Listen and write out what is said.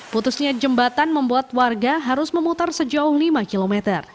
putusnya jembatan membuat warga harus memutar sejauh lima km